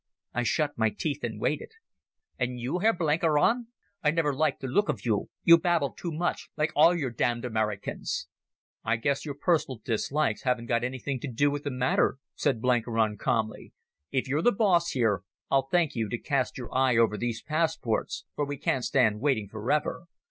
I shut my teeth and waited. "And you, Herr Blenkiron? I never liked the look of you. You babbled too much, like all your damned Americans." "I guess your personal dislikes haven't got anything to do with the matter," said Blenkiron, calmly. "If you're the boss here, I'll thank you to cast your eye over these passports, for we can't stand waiting for ever."